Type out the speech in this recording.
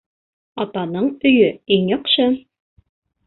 Атаның өйө иң яҡшы.